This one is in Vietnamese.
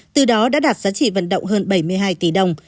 từ đó đã đạt giá trị vận động hơn bảy mươi hai tỷ đồng